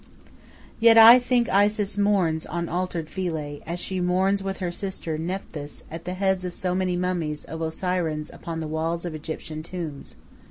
Yet I think Isis mourns on altered Philae, as she mourns with her sister, Nepthys, at the heads of so many mummies of Osirians upon the walls of Egyptian tombs.